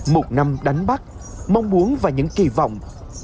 một năm đánh bắt mong muốn và những kỳ vọng